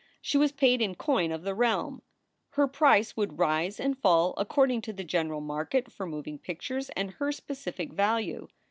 She was paid in coin of the realm. Her price would rise and fall according to the general market for moving pictures and her specific value.